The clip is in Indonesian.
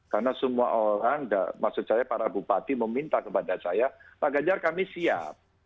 karena semua orang maksud saya para bupati meminta kepada saya pak ganjar kami siap